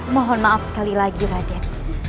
mohon maaf sekali lagi raden